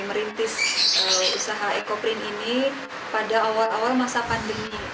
merintis usaha ecoprint ini pada awal awal masa pandemi